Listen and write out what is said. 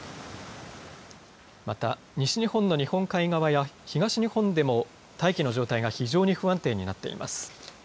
また西日本の日本海側や東日本でも大気の状態が非常に不安定になっています。